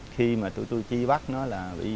khi mà tụi tôi chi bắt nó là